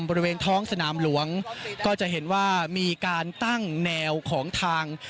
บริเวณท้องสนามหลวงก็จะเห็นว่ามีการตั้งแนวของทาง